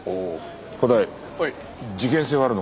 古代事件性はあるのか？